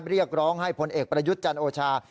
เรียกร้องให้ผลเอกประยุทธ์จันทร์โอชา